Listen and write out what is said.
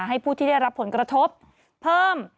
ให้ผู้ที่ได้รับผลกระทบเพิ่ม